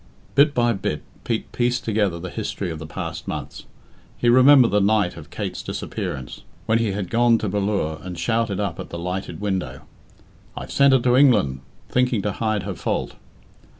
Bit by bit Pete pieced together the history of the past months. He remembered the night of Kate's disappearance, when he had gone to Ballure and shouted up at the lighted window, "I've sent her to England," thinking to hide her fault.